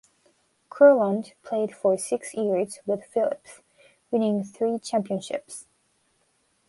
Kurland played for six years with Phillips, winning three championships.